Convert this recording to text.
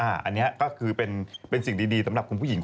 อันนี้ก็คือเป็นสิ่งดีสำหรับคุณผู้หญิง